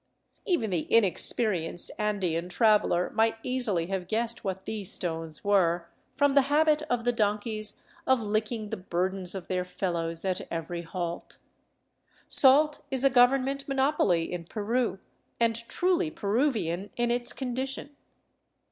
Even the inexperienced Andean traveler might easily have guessed what these stones were, from the habit of the donkeys of licking the burdens of their fellows at every halt. Salt is a government monopoly in Peru, and truly Peruvian in its condition.